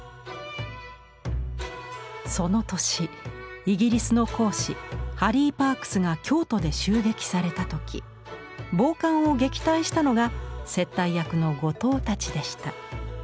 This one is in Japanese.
その年イギリスの公使ハリー・パークスが京都で襲撃された時暴漢を撃退したのが接待役の後藤たちでした。